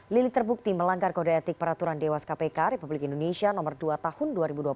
lili terbukti melanggar kode etik peraturan dewas kpk republik indonesia nomor dua tahun dua ribu dua puluh